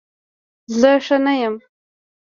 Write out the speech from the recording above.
زه ښه نه یم